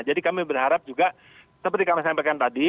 jadi kami berharap juga seperti yang saya sampaikan tadi